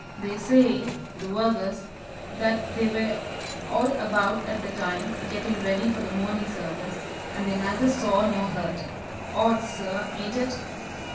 They say the vergers that they were all about at the time, getting ready for the morning service, and they neither saw nor heard. Odd, sir, ain't it?"